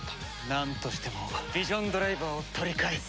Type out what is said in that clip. なんとしてもヴィジョンドライバーを取り返す。